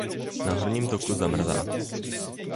Na horním toku zamrzá.